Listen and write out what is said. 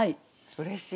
うれしい。